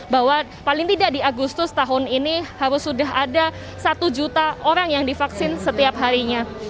bahwa paling tidak di agustus tahun ini harus sudah ada satu juta orang yang divaksin setiap harinya